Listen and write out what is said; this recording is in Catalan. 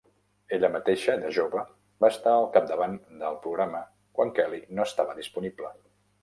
Ella mateixa, de jove, va estar al capdavant del programa quan Kelly no estava disponible.